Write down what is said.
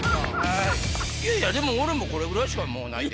いやいやでも俺もこれぐらいしかもうないで。